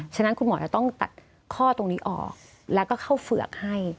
ฉะนั้นคุณหมอจะต้องตัดข้อตรงนี้ออกแล้วก็เข้าเฝือกให้